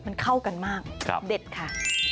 มันเข้ากันมากเด็ดค่ะ